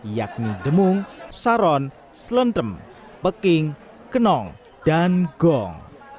yakni demung saron selentem peking kenong dan gong